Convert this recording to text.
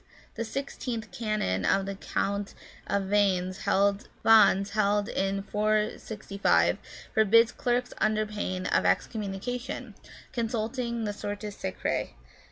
The sixteenth canon of the Council of Vannes, held in 465, forbids clerks under pain of excommunication, consulting the Sortes Sacrae.